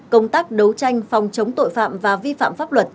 công tác đấu tranh phòng chống tội phạm và vi phạm pháp luật